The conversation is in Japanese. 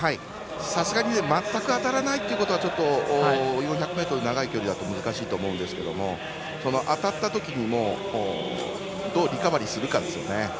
さすがに全く当たらないということはちょっと４００ｍ長い距離だと難しいと思うんですが当たったときにどうリカバリーするかですね。